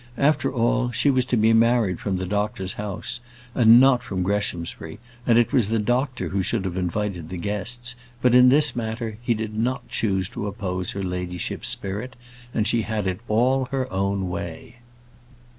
After all, she was to be married from the doctor's house, and not from Greshamsbury, and it was the doctor who should have invited the guests; but, in this matter, he did not choose to oppose her ladyship's spirit, and she had it all her own way.